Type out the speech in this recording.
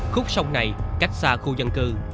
khúc sông này cách xa khu dân cư